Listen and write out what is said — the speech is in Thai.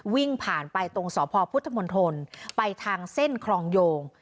วิ่งผ่านไปตรงสพพุทธมณฑลไปทางเส้นครองโยง